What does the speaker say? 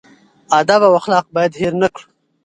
ادب او اخلاق باید هېر نه کړو.